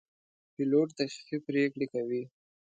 پیلوټ دقیقې پرېکړې کوي.